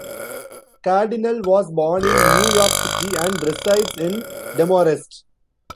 Cardinale was born in New York City, and resides in Demarest.